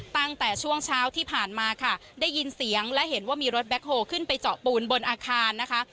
ตั้งแต่ช่วงเช้าที่ผ่านมาค่ะได้ยินเสียงและเห็นว่ามีรถแบ็คโฮลขึ้นไปเจาะปูนบนอาคารนะคะ